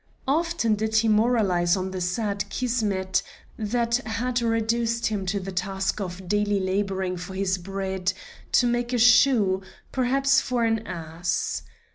Often did he moralize on the sad Kismet that had reduced him to the task of daily laboring for his bread to make a shoe, perhaps for an ass.